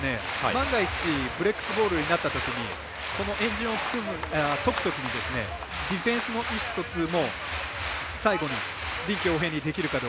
万が一ブレックスボールになったときにこの円陣をとくときにディフェンスも意思疎通も最後に臨機応変にできるか。